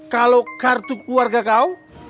kalo kartu keluarga kau